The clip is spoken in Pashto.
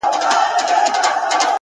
هوډ د نیمګړو امکاناتو بشپړونکی دی.!